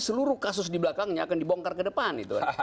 seluruh kasus di belakangnya akan dibongkar ke depan